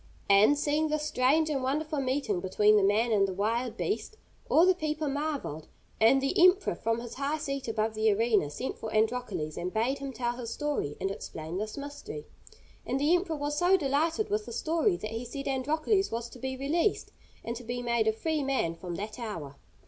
And, seeing this strange and wonderful meeting between the man and the wild beast, all the people marvelled, and the emperor, from his high seat above the arena, sent for Androcles, and bade him tell his story and explain this mystery. And the emperor was so delighted with the story that he said Androcles was to be released and to be made a free man from that hour.